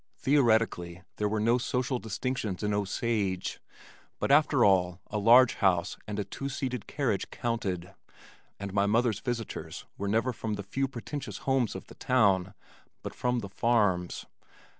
Theoretically there were no social distinctions in Osage, but after all a large house and a two seated carriage counted, and my mother's visitors were never from the few pretentious homes of the town but from the farms.